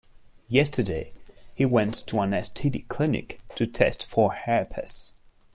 Yesterday, he went to an STD clinic to test for herpes.